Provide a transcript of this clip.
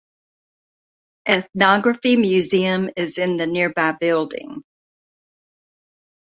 Ethnography Museum is in the nearby building.